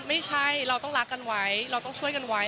ไม่ใช่เราต้องรักกันไว้เราต้องช่วยกันไว้